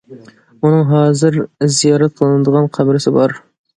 ئۇنىڭ ھازىر زىيارەت قىلىنىدىغان قەبرىسى بار.